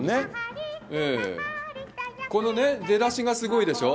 この出だしがすごいでしょう。